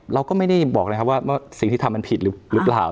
เราก็ไม่ได้บอกเลยครับว่าสิ่งที่ทำมันผิดหรือเปล่า